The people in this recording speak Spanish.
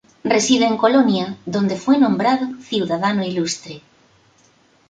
Reside en Colonia, donde fue nombrado "ciudadano ilustre".